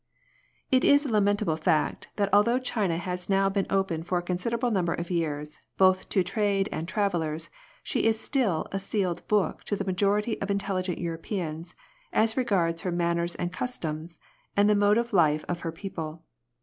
It is a lamentable fact that although China has now been open for a considerable number of years both to trade and travellers, she is still a sealed book to the majority of intelligent Europeans as regards her man ners and customs, and the mode of life of her people.